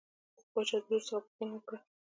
باچا د لور څخه پوښتنه وکړه.